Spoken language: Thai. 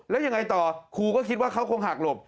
แล้วยังไงต่อครูก็คิดว่าเขาคงหักหลบ